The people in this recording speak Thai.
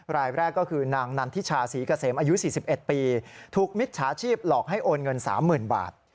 รายแรกก็คือนางนันทิชาศรีเกษมอายุ๔๑ปีถูกมิจฉาชีพหลอกให้โอนเงิน๓๐๐๐บาท